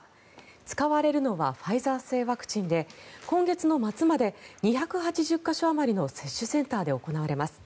使われるのはファイザー製ワクチンで今月末まで２８０か所あまりの接種センターで行われます。